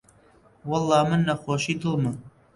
وەڵڵا من نەخۆشیی دڵمە